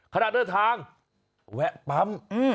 ขณะเดินทางแวะปั๊ม